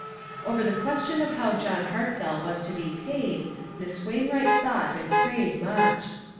" Over the question of how John Hartzell was to be paid, Miss Wainwright thought and prayed much.